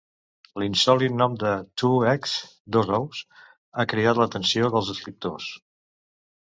L'insòlit nom de Two Egg (dos ous) ha cridat l'atenció dels escriptors.